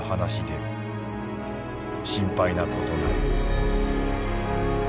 心配なことなり」。